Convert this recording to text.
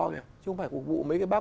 chứ không phải phục vụ mấy cái bác